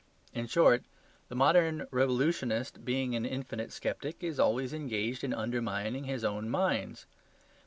In short, the modern revolutionist, being an infinite sceptic, is always engaged in undermining his own mines.